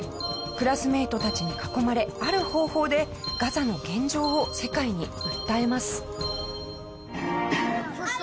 クラスメイトたちに囲まれある方法でガザの現状を世界に訴えます。